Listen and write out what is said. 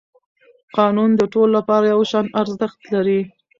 قانون د ټولو لپاره یو شان ارزښت لري